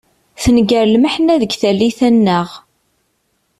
Tenger lemḥenna deg tallit-a-nneɣ.